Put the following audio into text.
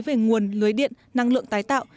về nguồn lưới điện năng lượng tái tạo